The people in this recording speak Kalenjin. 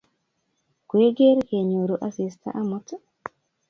Kwegeer kenyoru asista amut?